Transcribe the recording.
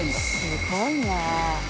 「すごいね！」